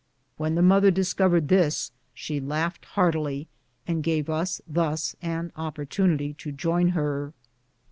When the mother discovered this she laughed heartily, and gave us thus an opportunity to join her.